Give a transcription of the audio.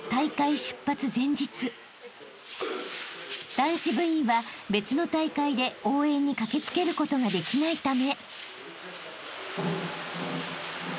［男子部員は別の大会で応援に駆け付けることができないため］